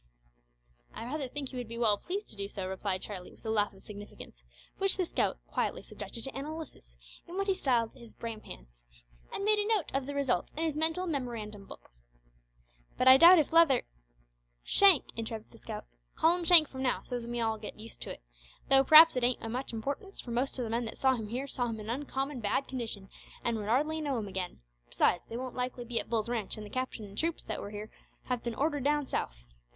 "I rather think he would be well pleased to do so," replied Charlie, with a laugh of significance, which the scout quietly subjected to analysis in what he styled his brain pan, and made a note of the result in his mental memorandum book! "But I doubt if Leather " "Shank," interrupted the scout. "Call him Shank from now, so's we may all git used to it; tho' p'r'aps it ain't o' much importance, for most o' the men that saw him here saw him in uncommon bad condition an' would hardly know him again, besides, they won't likely be at Bull's ranch, an' the captain an' troops that were here have been ordered down south.